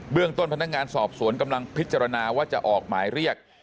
เรื่องต้นพนักงานสอบสวนกำลังพิจารณาว่าจะออกหมายเรียก